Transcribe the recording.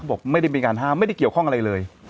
เขาบอกว่าไม่ได้ไปการห้ามไม่ได้เกี่ยวข้องกับอะไรเลย